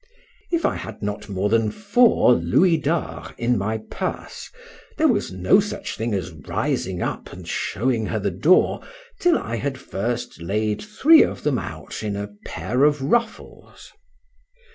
If I had not had more than four louis d'ors in my purse, there was no such thing as rising up and showing her the door, till I had first laid three of them out in a pair of ruffles.